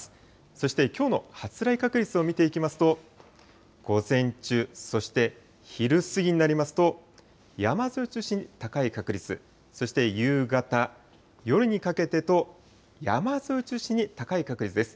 そしてきょうの発雷確率を見てみますと、午前中、そして昼過ぎになりますと、山沿いを中心に高い確率、そして夕方、夜にかけてと、山沿いを中心に高い確率です。